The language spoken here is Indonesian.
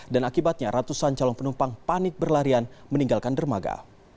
dan akibatnya ratusan calon penumpang panit berlarian meninggalkan dermaga